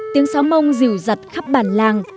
tiếng sáo mông dìu dặt khắp bàn làng